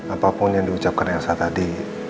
apapun yang diucapkan elsa tadi